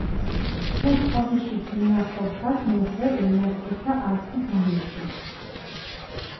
თე ჭყონიში გინახორხას ნოღვე ელნატკეცა ართი განიშე.